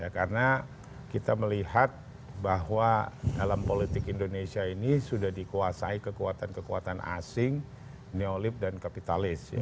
karena kita melihat bahwa dalam politik indonesia ini sudah dikuasai kekuatan kekuatan asing neolib dan kapitalis